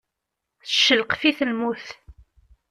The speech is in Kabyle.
Teccelqef-it lmut.